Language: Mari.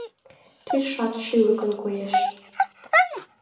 Тӱсшат шӱлыкын коеш.